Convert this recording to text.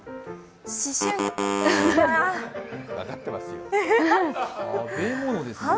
分かってますよ。